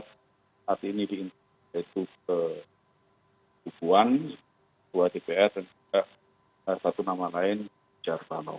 tapi ini diintimidasi ke hubungan sebuah dpr dan juga satu nama lain jarvanow